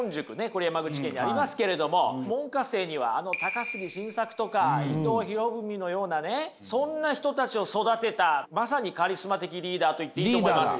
これ山口県にありますけれども門下生にはあの高杉晋作とか伊藤博文のようなねそんな人たちを育てたまさにカリスマ的リーダーと言っていいと思います。